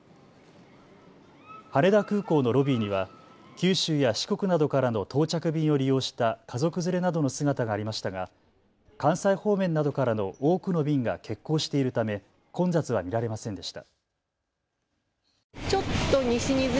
羽田空港のロビーには、九州や四国などからの到着便を利用した家族連れなどの姿がありましたが、関西方面などからの多くの便が欠航しているため、混雑は見られませんでした。